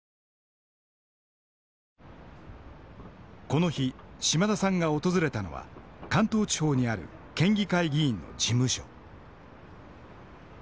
この日島田さんが訪れたのは関東地方にある県議会議員の事務所。